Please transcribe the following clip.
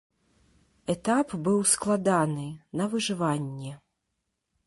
Этап быў складаны, на выжыванне!